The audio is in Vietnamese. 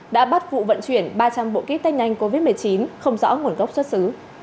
đã bắt vụ vận chuyển ba trăm linh bộ kít tết nhanh covid một mươi chín không rõ nguồn gốc xuất xứ